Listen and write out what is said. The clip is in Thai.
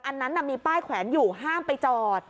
อันนั้นมีป้ายแขวนอยู่ห้ามไปจอด